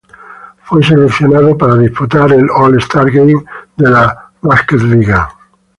Fue seleccionado para disputar el All-Star Game de la Basketligan.